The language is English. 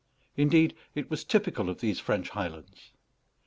Indeed, it was typical of these French highlands.